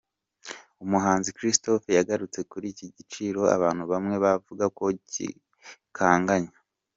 com, umuhanzi Christopher yagarutse kuri iki giciro abantu bamwe bavuga ko gikanganye.